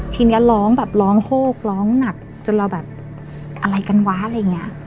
ทีนี้ร้องแบบร้องโฮกร้องหนักจนเราแบบอะไรกันวะอะไรอย่างนี้